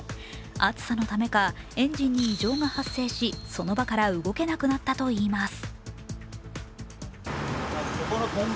暑さのためか、エンジンに異常が発生しその場から動けなくなったといいます。